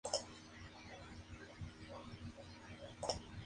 Grenville y sus colaboradores afirman que lo más importante es que es muy divertido.